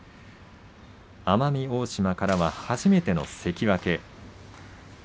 奄美大島からは初めての関脇。